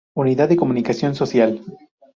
Unidad de Comunicación Social.